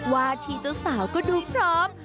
วาดที่เจ้าสาวก็ทุกข์พร้อม